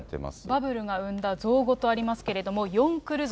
バブルが生んだ造語とありますけど、ヨンクル族。